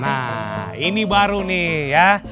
nah ini baru nih ya